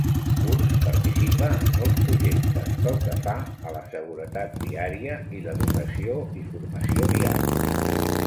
Wurz participa en molts projectes pel que fa a la seguretat viària i l'educació i formació vial.